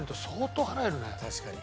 確かに。